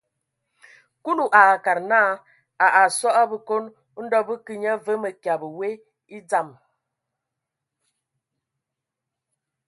Kulu a akad naa, a asɔ a Bǝkon, ndɔ bə kə nye və mǝkyǝbe we e dzam.